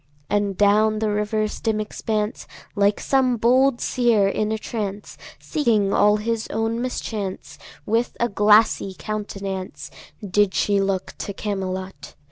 And down the river's dim expanse – Like some bold seër in a trance, Seeing all his own mischance – With a glassy countenance Did she look to Camelot.